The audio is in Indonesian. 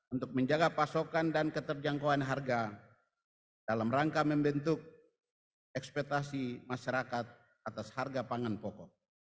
untuk menjaga pasokan dan keterjangkauan harga dalam rangka membentuk ekspetasi masyarakat atas harga pangan pokok